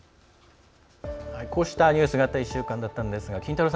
こうしたニュースがあった１週間だったんですがキンタロー。